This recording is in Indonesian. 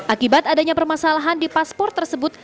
akibat adanya permasalahan di paspor tersebut